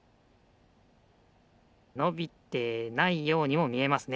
のびてないようにもみえますね。